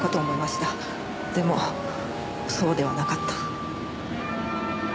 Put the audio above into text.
でもそうではなかった。